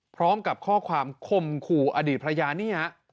พร้อมกับข้อความคมขู่อดีตภรรยานี่ฮะ